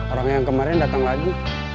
orang yang kemarin datang lagi